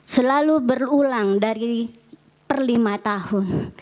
selalu berulang dari perlima tahun